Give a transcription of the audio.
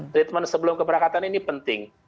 treatment sebelum keberangkatan ini penting